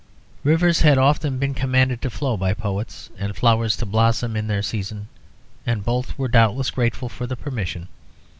Rivers had often been commanded to flow by poets, and flowers to blossom in their season, and both were doubtless grateful for the permission.